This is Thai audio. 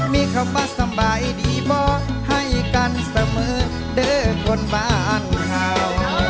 มีคำว่าสบายดีมองให้กันเสมอเด้อคนบ้านเขา